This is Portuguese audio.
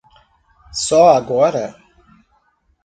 Só agora